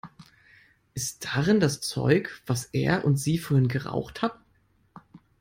Ist darin das Zeug, was er und sie vorhin geraucht hatten?